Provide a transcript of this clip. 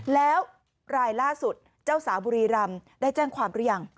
แล้วรายล่าสุดเจ้าสาวบุรีรำได้แจ้งความหรือยัง